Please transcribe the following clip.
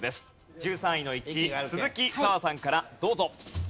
１３位の位置鈴木砂羽さんからどうぞ。